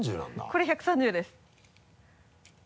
これ１３０です。